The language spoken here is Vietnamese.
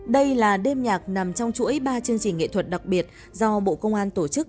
đây là đêm nhạc nằm trong chuỗi ba chương trình nghệ thuật đặc biệt do bộ công an tổ chức